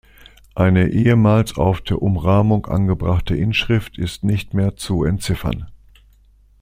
Eine ehemals auf der Umrahmung angebrachte Inschrift ist nicht mehr zu entziffern.